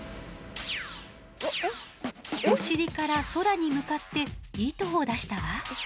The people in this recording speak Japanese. お尻から空に向かって糸を出したわ！